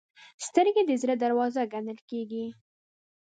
سترګې د زړه دروازه ګڼل کېږي